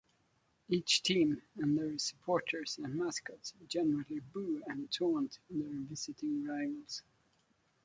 Each team and their supporters and mascots generally boo and taunt their visiting rivals.